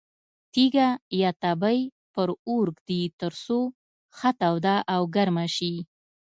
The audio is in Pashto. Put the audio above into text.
تیږه یا تبۍ پر اور ږدي ترڅو ښه توده او ګرمه شي.